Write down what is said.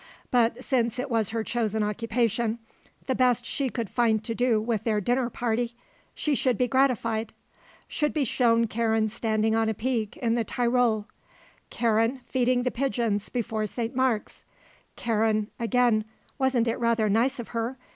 But since it was her chosen occupation, the best she could find to do with their dinner party, she should be gratified; should be shown Karen standing on a peak in the Tyrol; Karen feeding the pigeons before St. Mark's; Karen, again wasn't it rather nice of her?